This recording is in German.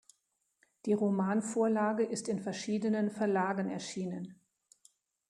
Die Romanvorlage ist in verschiedenen Verlagen erschienen.